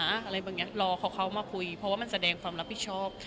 อะไรแบบนี้รอเขามาคุยเพราะว่ามันแสดงความรับผิดชอบ